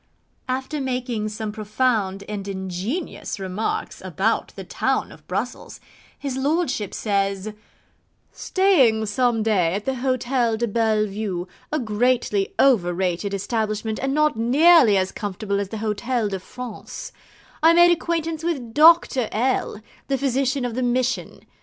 After making some profound and ingenious remarks about the town of Brussells, his lordship says: 'Staying some day at the Hotel de Belle Vue, a greatly overrated establishment, and not nearly as comfortable as the Hotel de France I made acquaintance with Dr. L , the physician of the Mission.